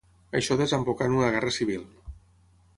Això desembocà en una Guerra civil.